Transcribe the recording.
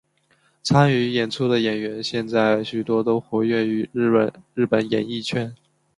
参与演出的演员现在许多都活跃于日本演艺圈。